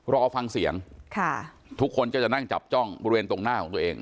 รอฟังเสียงค่ะทุกคนก็จะนั่งจับจ้องบริเวณตรงหน้าของตัวเอง